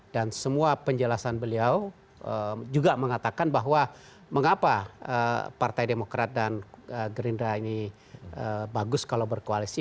dan semua penjelasan beliau juga mengatakan bahwa mengapa partai demokrat dan gerindra ini bagus kalau berkoalisi